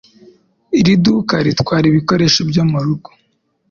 Iri duka ritwara ibikoresho byo murugo.